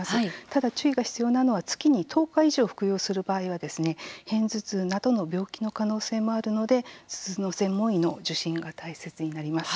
ただ注意が必要なのは月に１０日以上服用する場合は片頭痛などの病気の可能性もあるので頭痛の専門医の受診が大切になります。